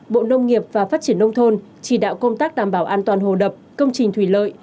bộ nông nghiệp và phát triển nông thôn chỉ đạo công tác đảm bảo an toàn hồ đập công trình thủy lợi